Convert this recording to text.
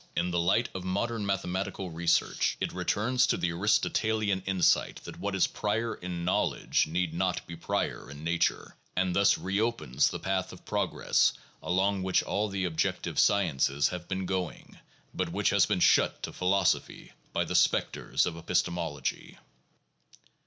In the light of modern mathematical research, it 202 THE JOURNAL OF PHILOSOPHY returns to the Aristotelian insight that what is prior in knowledge need not be prior in nature, and thus re opens the path of progress along which all the objective sciences have been going, but which has been shut to philosophy by the specters of epistemology.